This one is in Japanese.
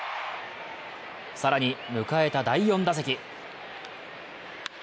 更に、迎えた第４打席。